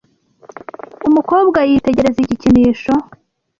Umukobwa yitegereza igikinisho.